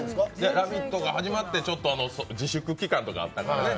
「ラヴィット！」が始まってちょっと自粛期間とかあったからね。